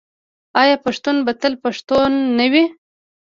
آیا پښتون به تل پښتون نه وي؟